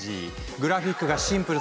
グラフィックがシンプル。